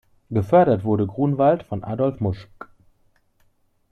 Gefördert wurde Grunwald von Adolf Muschg.